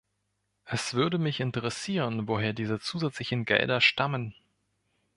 Es würde mich interessieren, woher diese zusätzlichen Gelder stammen.